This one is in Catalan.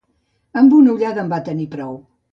Amb una ullada en va tenir prou.